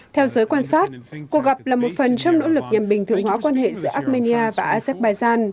theo giới quan sát cuộc gặp là một phần trong nỗ lực nhằm bình thường hóa quan hệ giữa armenia và azerbaijan